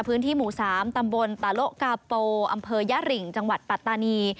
พื้นที่หมู่๓ตำบลตาโลกาโปอำเภอยะริงจังหวัดปัตตานี